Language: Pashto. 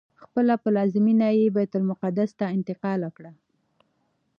خپله پلازمینه یې بیت المقدس ته انتقال کړه.